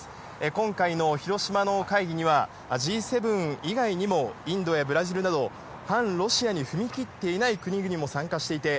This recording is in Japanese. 今回の広島の会議には、Ｇ７以外にも、インドやブラジルなど、反ロシアに踏み切っていない国々も参加していて、